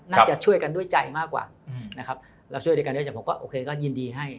น่าจะช่วยกันด้วยใจมากกว่าแล้วช่วยด้วยก็ยินดีให้